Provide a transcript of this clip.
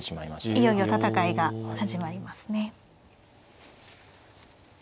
いよいよ戦いが始まりますね。